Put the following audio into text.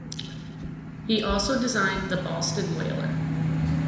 He also designed the Boston Whaler.